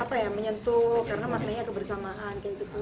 apa ya menyentuh karena maknanya kebersamaan dan kemajuan bersama